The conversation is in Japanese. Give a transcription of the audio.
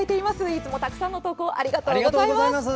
いつもたくさんの投稿ありがとうございます。